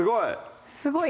すごい！